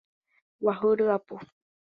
Guahu ryapu.